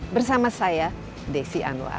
bersama saya desi anwar